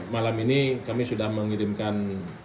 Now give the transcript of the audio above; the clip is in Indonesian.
malam ini kami sudah mengirimkan